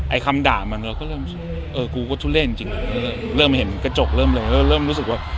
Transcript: คำด่ามันเราก็เริ่มเออกูก็ทุเล่จริงเริ่มเห็นกระจกเริ่มเลยเริ่มรู้สึกว่า